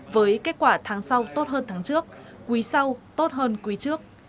với kết quả tháng sau tốt hơn tháng trước quý sau tốt hơn quý trước